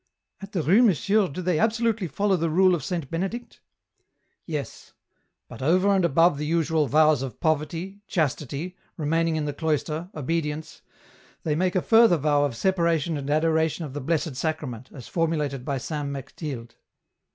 " At the Rue Monsieur do they absolutely follow the rule of Saint Benedict ?"" Yes ; but over and above the usual vows of poverty, chastity, remaining in the cloister, obedience, they make a further vow of separation and adoration of the Blessed Sacrament, as formulated by Saint Mechtilde.